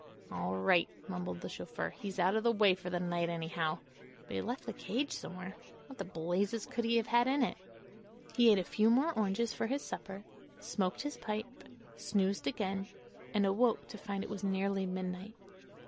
"All right," mumbled the chauffeur; "he's out of the way for the night, anyhow. But he left the cage somewhere. What the blazes could he have had in it?" He ate a few more oranges for his supper, smoked his pipe, snoozed again and awoke to find it was nearly midnight.